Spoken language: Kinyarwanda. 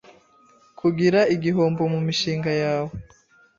kugira igihombo mu mishinga yawe